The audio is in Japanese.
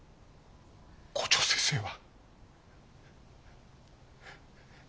校長先生は。